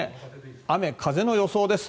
雨風の予想です。